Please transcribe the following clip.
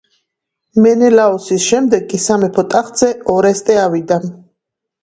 მენელაოსის შემდეგ კი სამეფო ტახტზე ორესტე ავიდა.